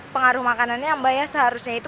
pengaruh makanannya yang bahaya seharusnya itu